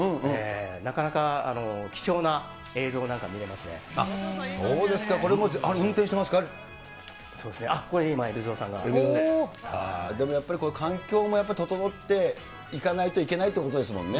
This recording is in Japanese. なかなか貴重な映像なんか見れまそうですか、これも、あれ、そうですね、あっ、これ今、やっぱり環境も整っていかないといけないっていうことですもんね。